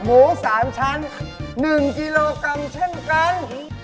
หมู๓ชั้น๑กิโลกรัมเช่นกัน